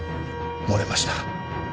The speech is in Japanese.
漏れました。